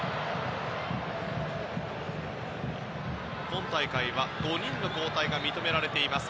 今大会は５人の交代が認められています。